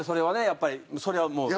やっぱりそれはもう。